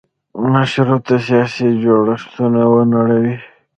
مشروطه سیاسي جوړښتونه ونړوي.